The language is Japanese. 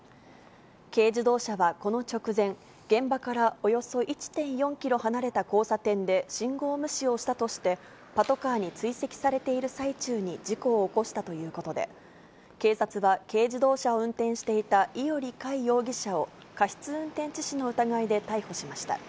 軽自動車はこの直前、現場からおよそ１．４キロ離れた交差点で信号無視をしたとして、パトカーに追跡されている最中に事故を起こしたということで、警察は軽自動車を運転していた伊従開容疑者を、過失運転致死の疑いで逮捕しました。